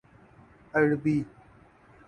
عربی